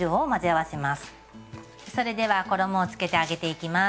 それでは衣をつけて揚げていきます。